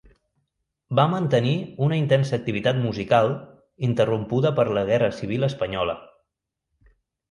Va mantenir una intensa activitat musical interrompuda per la guerra civil espanyola.